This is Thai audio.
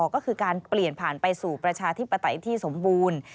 ก็คือการเปลี่ยนผ่านไปสู่ประชาธิปไตยที่สมบูรณ์